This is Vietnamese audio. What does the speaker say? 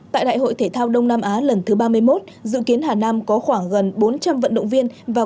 tại đại hội thể thao đông nam á lần thứ ba mươi một dự kiến hà nam có khoảng gần bốn trăm linh vận động viên vào